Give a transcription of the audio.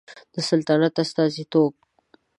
د سلطنت استازیتوب